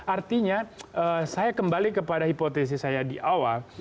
artinya saya kembali kepada hipotesi saya di awal